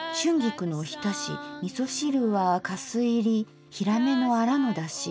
みそ汁はかす入りひらめのアラのだし。